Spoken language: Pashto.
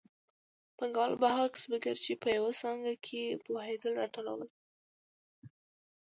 پانګوالو به هغه کسبګر چې په یوه څانګه کې پوهېدل راټولول